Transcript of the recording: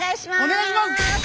お願いします。